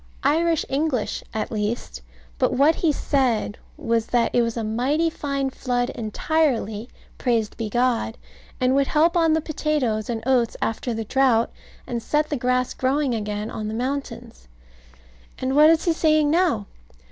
Irish English at least: but what he said was, that it was a mighty fine flood entirely, praised be God; and would help on the potatoes and oats after the drought, and set the grass growing again on the mountains. And what is he saying now?